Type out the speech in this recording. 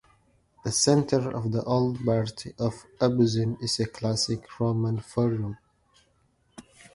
The center of the old part of Opuzen is a classic Roman Forum.